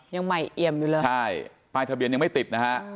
ยังใหม่เอี่ยมอยู่เลยใช่ป้ายทะเบียนยังไม่ติดนะฮะ